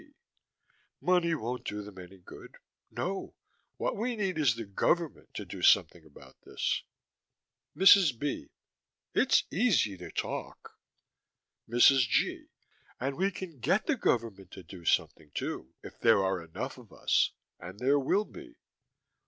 G.: Money won't do them any good. No. What we need is the government, to do something about this. MRS. B.: It's easy to talk. MRS. G.: And we can get the government to do something, too. If there are enough of us and there will be.